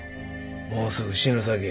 もうすぐ死ぬさけ